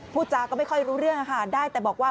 ผู้จาก็ไม่รู้เรื่องแต่บอกว่า